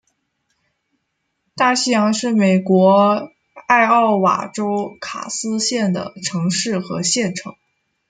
大西洋是美国艾奥瓦州卡斯县的城市和县城。